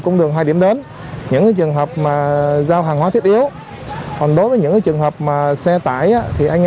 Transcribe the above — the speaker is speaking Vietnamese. phương tiện đến những trường hợp giao hàng hóa thiết yếu còn đối với những trường hợp xe tải thì anh